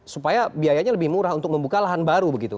supaya biayanya lebih murah untuk membuka lahan bahan